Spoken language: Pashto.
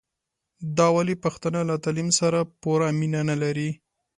دا ولي پښتانه له تعليم سره پوره مينه نلري